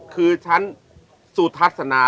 คือชั้นสุทัศนา